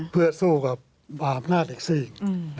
เพื่อสู้กับอำนาจอีกสิ่ง